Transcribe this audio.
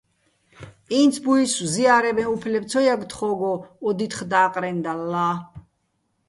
ინცბუჲსო̆ ზია́რებეჼ უფლებ ცო ჲაგე̆ თხო́გო ო დითხ და́ყრენდალლა.